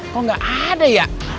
kok gak ada ya